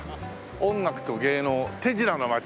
「音楽と芸能手品のまち」